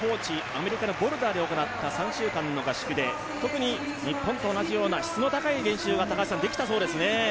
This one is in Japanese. アメリカのボルダーで行った３週間の合宿で特に日本と同じような質の高い練習ができたそうですね。